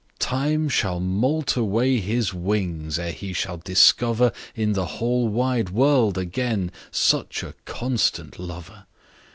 Time shall moult away his wingsEre he shall discoverIn the whole wide world againSuch a constant lover.